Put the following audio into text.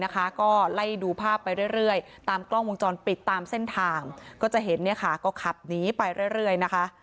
ก็ไล่ดูภาพไปเรื่อยตามกล้องวงจรปิดตามเส้นทางก็จะเห็นก็ขับหนีไปเรื่อยนะคะ